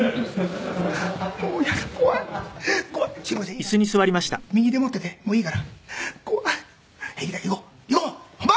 いいから右で持っていてもういいから」「怖い」「平気だ。いこう」「いこう本番。